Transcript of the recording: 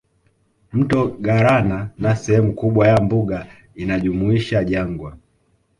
Mto Galana na Sehemu kubwa ya mbuga inajumuisha jangwa